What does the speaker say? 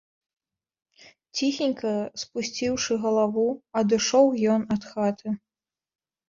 Ціхенька, спусціўшы галаву, адышоў ён ад хаты.